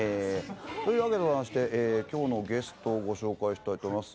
というわけでございまして今日のゲストをご紹介したいと思います。